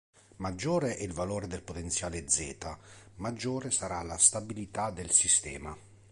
Maggiore è il valore del potenziale zeta maggiore sarà la stabilità del sistema.